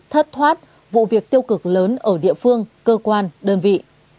thất thoát vụ việc tiêu cực lớn ở địa phương cơ quan đơn vị